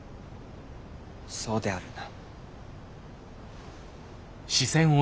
そうであるな。